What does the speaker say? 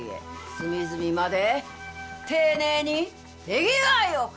隅々まで丁寧に手際よく！